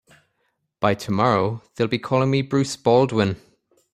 By tomorrow they'll be calling me Bruce Baldwin.